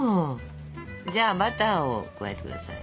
じゃあバターを加えて下さい。